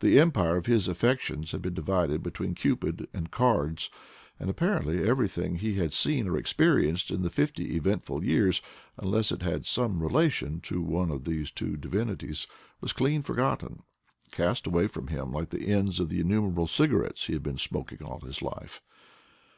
The empire of his affections had been divided between Cupid and cards; and apparently everything he had seen or experienced in fifty eventful years, unless it had some relation to one of these two divinities, was clean forgotten — cast away from him like the ends of the innumerable cigarettes he had been smoking all his life.